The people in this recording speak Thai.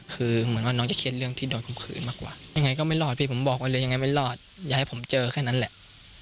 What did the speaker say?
คือเหมือนว่าน้องจะเครียดเรื่องที่โดนข่มขืนมากกว่ายังไงก็ไม่รอดพี่ผมบอกไว้เลยยังไงไม่รอดอย่าให้ผมเจอแค่นั้นแหละ